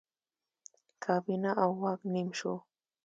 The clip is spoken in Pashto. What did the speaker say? کابینه او واک نیم شو.